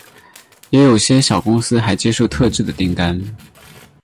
也有些小公司还接受特制的订单。